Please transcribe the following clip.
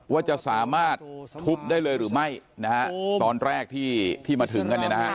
ว่าจะสามารถทุบได้เลยหรือไม่นะฮะตอนแรกที่มาถึงกันเนี่ยนะฮะ